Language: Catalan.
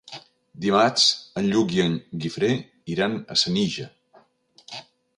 Dimarts en Lluc i en Guifré iran a Senija.